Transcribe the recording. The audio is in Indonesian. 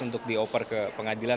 untuk dioper ke pengadilan